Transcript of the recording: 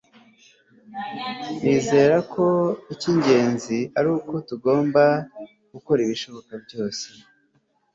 nizera ko icy'ingenzi ari uko tugomba gukora ibishoboka byose